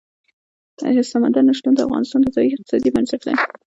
سمندر نه شتون د افغانستان د ځایي اقتصادونو بنسټ دی.